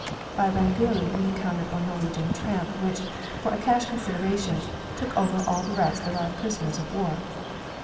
By Rangoon we encountered a Norwegian tramp, which, for a cash consideration, took over all the rest of our prisoners of war.